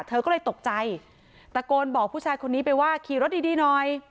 เธอก็เลยตกใจตะโกนบอกผู้ชายคนนี้ไปว่าขี่รถดีดีหน่อย